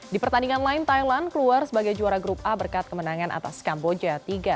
di pertandingan lain thailand keluar sebagai juara grup a berkat kemenangan atas kamboja tiga